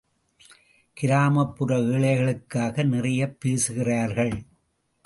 கிராமப்புற ஏழைகளுக்காக நிறைய பேசுகிறார்கள்!